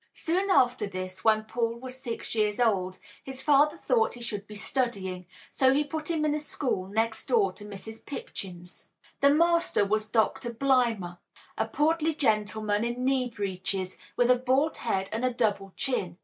Soon after this, when Paul was six years old, his father thought he should be studying, so he put him in a school next door to Mrs. Pipchin's. The master was Doctor Blimber, a portly gentleman in knee breeches, with a bald head and a double chin.